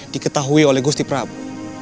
diketahui oleh gusti prabu